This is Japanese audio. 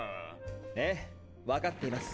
ええ分かっています。